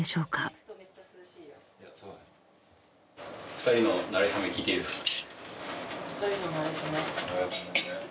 ２人のなれそめ聞いていいですか？